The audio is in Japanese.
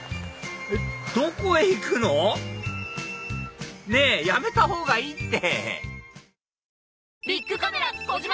どこへ行くの⁉ねぇやめたほうがいいって！